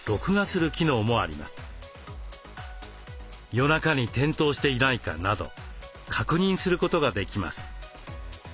夜中に転倒していないかなど確認することができます。